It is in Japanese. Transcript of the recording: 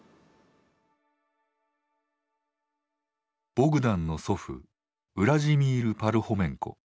ボグダンの祖父ウラジミール・パルホメンコ。